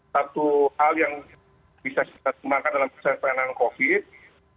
satu hal yang bisa kita kembangkan dalam perusahaan penyelenggaraan covid sembilan belas